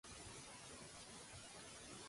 Voldria que suavitzassis l'àudio a la meitat.